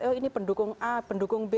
oh ini pendukung a pendukung b